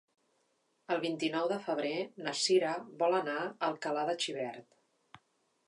El vint-i-nou de febrer na Cira vol anar a Alcalà de Xivert.